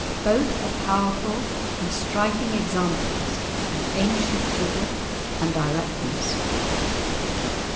Both are powerful and striking examples of ancient vigour and directness.